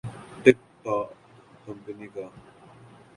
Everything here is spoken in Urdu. ٹک ٹوک کمپنی کا